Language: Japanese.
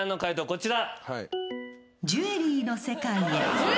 こちら。